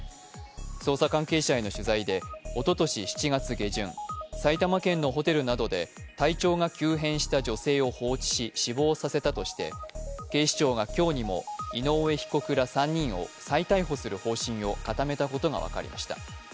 捜査関係者への取材で、おととし７月下旬、埼玉県のホテルなどで体調が急変した女性を放置し死亡させたとして警視庁が今日にも井上被告ら３人を再逮捕する方針を固めたことが分かりました。